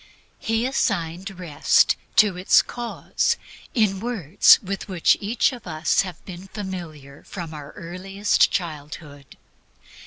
He assigned Rest to its cause, in words with which each of us has been familiar from his earliest childhood.